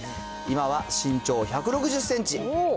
今は身長１６０センチ。